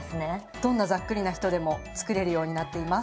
どんなざっくりな人でも作れるようになっています。